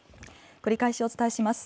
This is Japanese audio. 繰り返しお伝えします。